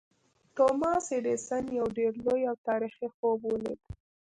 توماس ایډېسن یو ډېر لوی او تاریخي خوب ولید